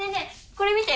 これ見て。